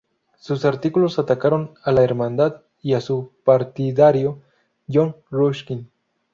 Sus artículos atacaron a la Hermandad y su partidario John Ruskin.